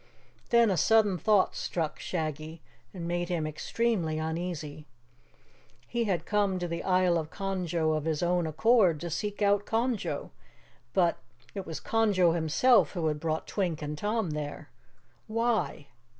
Then a sudden thought struck Shaggy and made him extremely uneasy. He had come to the Isle of Conjo of his own accord to seek out Conjo. But it was Conjo himself who had brought Twink and Tom there. Why?